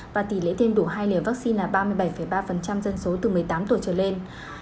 và tỷ lệ tiêm đủ hai liều vaccine là ba mươi bảy ba dân số từ một mươi tám tuổi trở lên